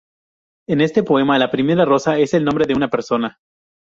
En este poema, la primera "Rosa" es el nombre de una persona.